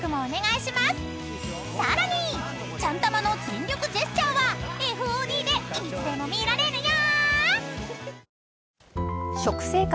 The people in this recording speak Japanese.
［さらにちゃんたまの全力ジェスチャーはＦＯＤでいつでも見られるよ］